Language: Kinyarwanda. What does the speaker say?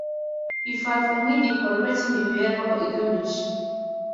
ifatwa nkigikorwa cyimibereho igamije